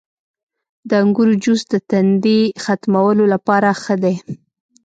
• د انګورو جوس د تندې ختمولو لپاره ښه دی.